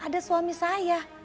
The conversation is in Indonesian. ada suami saya